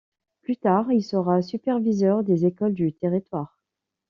Plus tard, il sera superviseur des écoles du territoire.